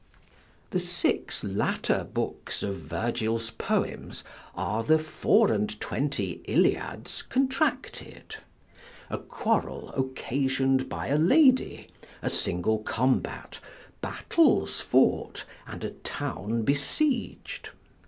The six latter books of Virgil's poem are the four and twenty Iliads contracted: a quarrel occasioned by a lady, a single combat, battles fought, and a town besieg'd.